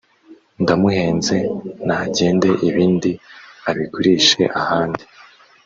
“Ndamuhenze nagende” ibindi abigurishe ahandi